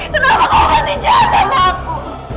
kenapa kamu kasih jahat sama aku